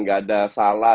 gak ada salah